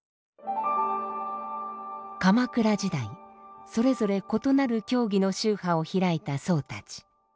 鎌倉時代それぞれ異なる教義の宗派を開いた僧たち。